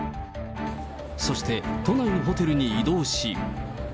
そして都内のホテルに移動し。